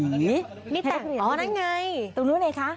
นี่แต่งเหนือนตรงนู้นเลยคะ